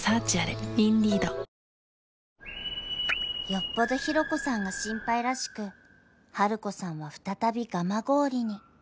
［よっぽどひろ子さんが心配らしくハルコさんは再び蒲郡に］